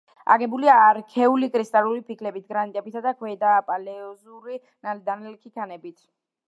აგებულია არქეული კრისტალური ფიქლებით, გრანიტებითა და ქვედაპალეოზოური დანალექი ქანებით.